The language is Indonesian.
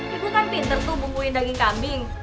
ya gue kan pinter tuh bumbuin daging kambing